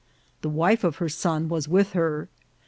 The wife of her son was with her.